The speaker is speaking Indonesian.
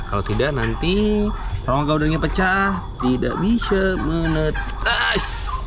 kalau tidak nanti rongga udaranya pecah tidak bisa menetas